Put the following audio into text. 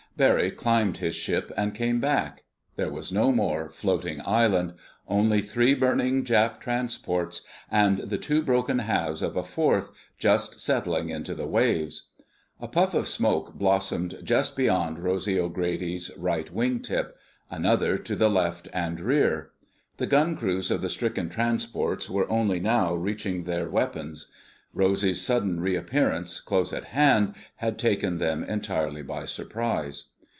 Barry climbed his ship, and came back. There was no more "floating island"—only three burning Jap transports and the two broken halves of a fourth, just settling into the waves. A puff of smoke blossomed just beyond Rosy O'Grady's right wing tip; another, to the left and rear. The gun crews of the stricken transports were only now reaching their weapons. Rosy's sudden re appearance, close at hand, had taken them entirely by surprise.